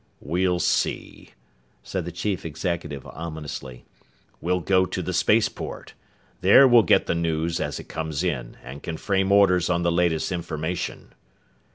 "We'll see," said the chief executive ominously. "We'll go to the spaceport. There we'll get the news as it comes in, and can frame orders on the latest information."